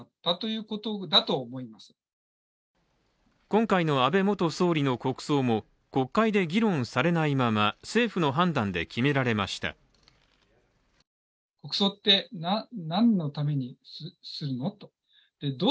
今回の安倍元総理の国葬も、国会で議論されないまま政府の判断で決められました国葬に関する共同通信の調査